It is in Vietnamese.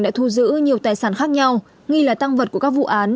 đã thu giữ nhiều tài sản khác nhau nghi là tăng vật của các vụ án